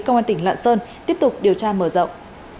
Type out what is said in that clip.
công an tỉnh lạng sơn tiếp tục điều tra mở rộng